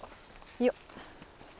よっ。